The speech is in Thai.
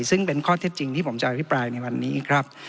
ซึ่งเป็นข้อเท็จจริงที่ผมจะอภิปรายในวันนี้ครับ